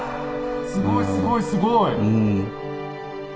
すごいすごいすごい！